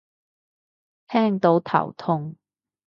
聽到頭痛